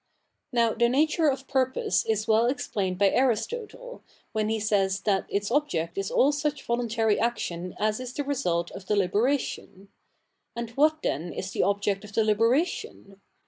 Now the nature of purpose is well explained by Aristotle, whe)i he says that its object is all such volufitary action as is the result of deliberation. And what the?i is the object of deliberation